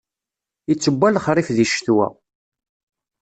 Ittewwa lexṛif di ccetwa.